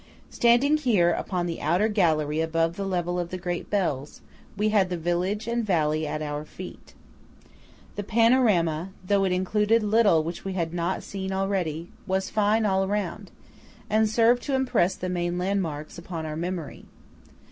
Standing here upon the outer gallery above the level of the great bells, we had the village and valley at our feet. The panorama, though it included little which we had not seen already, was fine all round, and served to impress the main landmarks upon our memory.